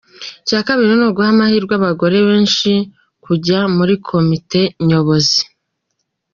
Icya kabiri ni uguha amahirwe abagore benshi kujya muri komite nyobozi.